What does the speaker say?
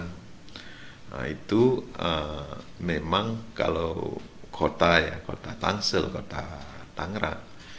nah itu memang kalau kota ya kota tangsel kota tangerang